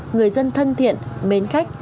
người dân thân thiện mến khách